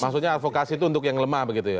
maksudnya advokasi itu untuk yang lemah begitu ya